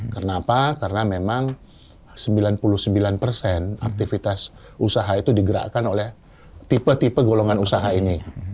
karena apa karena memang sembilan puluh sembilan persen aktivitas usaha itu digerakkan oleh tipe tipe golongan usaha ini